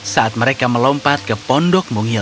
ketika mereka melompat ke pondok dongil